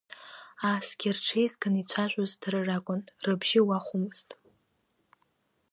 Ааскьа рҽеизганы ицәажәоз дара ракәын, рыбжьы уахәомызт.